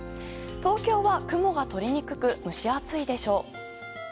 東京は雲がとれにくく蒸し暑いでしょう。